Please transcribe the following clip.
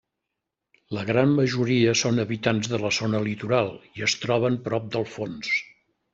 La gran majoria són habitants de la zona litoral i es troben prop del fons.